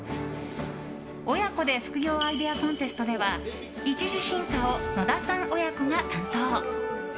親子で副業アイデアコンテストでは一次審査を野田さん親子が担当。